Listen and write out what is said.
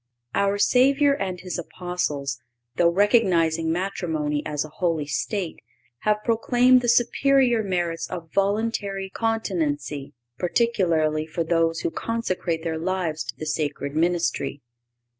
(514) Our Savior and His Apostles, though recognizing matrimony as a holy state, have proclaimed the superior merits of voluntary continency, particularly for those who consecrate their lives to the sacred ministry.